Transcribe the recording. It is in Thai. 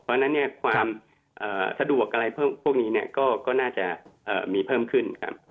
เพราะฉะนั้นความสะดวกอะไรพวกนี้ก็น่าจะมีเพิ่มขึ้นครับ